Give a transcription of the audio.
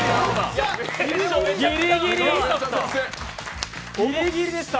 ギリギリでした。